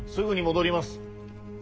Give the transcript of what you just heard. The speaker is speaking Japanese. すぐに戻ります。